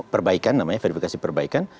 perbaikan namanya verifikasi perbaikan